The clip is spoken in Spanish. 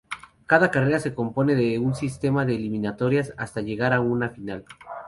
Cada carrera se compone de un sistema de eliminatorias hasta llegar a una final.